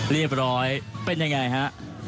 เรียบร้อยเป็นยังไงฮะ